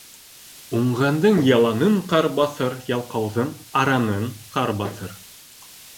Уңғандың яланын ҡар баҫыр, ялҡауҙың аранын ҡар баҫыр.